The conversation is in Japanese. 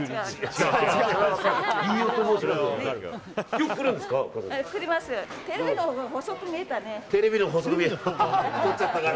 よく来るんですか？